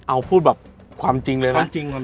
เอาพูดแบบความจริงเลยนะความจริง